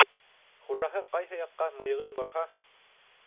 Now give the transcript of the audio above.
Хужаһы ҡайһы яҡҡа мыйығын борһа